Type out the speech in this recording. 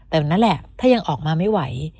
แต่วันนั้นแหละถ้ายังออกมาไม่ไหว